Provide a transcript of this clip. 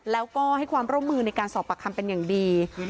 แล้วก็ให้ความร่วมมือในการสอบปากคำเป็นอย่างดี